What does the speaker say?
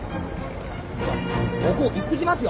じゃあ僕行ってきますよ。